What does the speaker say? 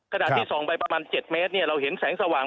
ที่ส่องไปประมาณ๗เมตรเราเห็นแสงสว่าง